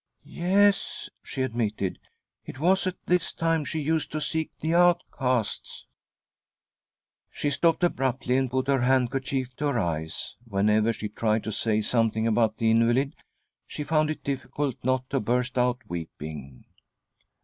' Yes," she admitted, " it was at this time she . used to seek the outcasts." She stopped abruptly and put her handkerchief ■•; to her eyes; whenever she tried to say something about the invalid she found jt difficult not to burst out weeping.